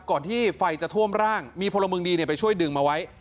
ที่ไฟจะท่วมร่างมีพลเมืองดีไปช่วยดึงมาไว้